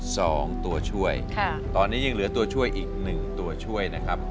สองตัวช่วยค่ะตอนนี้ยังเหลือตัวช่วยอีกหนึ่งตัวช่วยนะครับ